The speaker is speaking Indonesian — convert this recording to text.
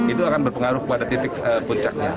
itu akan berpengaruh pada titik puncaknya